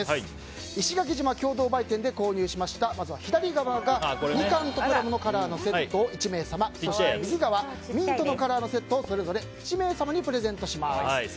石垣島共同売店で購入しました左側がみかんとプラムのカラーのセット１名様、そして右側のミントのカラーのセットそれぞれ１名様にプレゼントします。